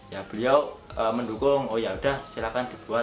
ya beliau mendukung oh yaudah silahkan dibuat